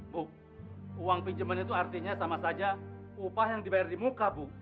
bu uang pinjemen itu artinya sama saja upah yang dibayar di muka bu